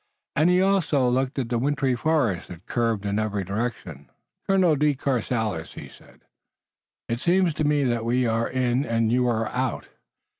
And he looked also at the wintry forest that curved in every direction. "Colonel de Courcelles," he said, "it seems to me that we are in and you are out.